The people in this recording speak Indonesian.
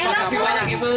makasih banyak ibu